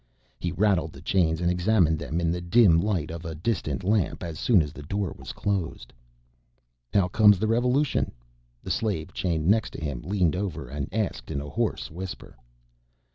He rattled the chains and examined them in the dim light of a distant lamp as soon as the door was closed. "How comes the revolution?" the slave chained next to him leaned over and asked in a hoarse whisper.